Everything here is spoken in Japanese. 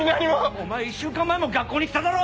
お前１週間前も学校に来ただろ！